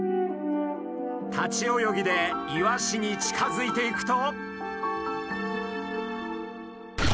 立ち泳ぎでイワシに近づいていくと。